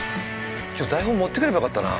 今日台本持ってくればよかったな。